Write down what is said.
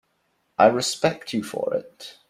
I respect you for it.